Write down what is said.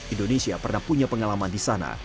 indonesia pernah punya pengalaman di sana